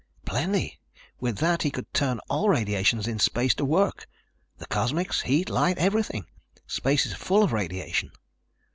"Plenty. With that he could turn all radiations in space to work. The cosmics, heat, light, everything. Space is full of radiation."